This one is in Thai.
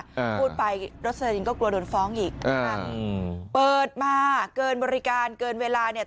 อ่าพูดไปโรสลินก็กลัวโดนฟ้องอีกอ่าอืมเปิดมาเกินบริการเกินเวลาเนี่ย